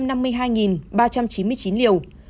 mũi hai là một hai trăm linh hai tám mươi liều